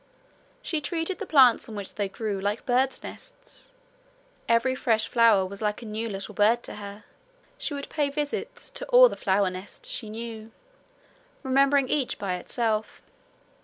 She treated the plants on which they grew like birds' nests; every fresh flower was like a new little bird to her. She would pay visits to all the flower nests she knew, remembering each by itself.